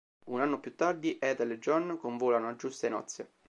Un anno più tardi, Ethel e John convolano a giuste nozze.